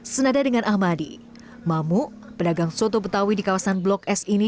senada dengan ahmadi mamuk pedagang soto betawi di kawasan blok s ini